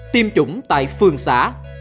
tiêm chủng tại phường xã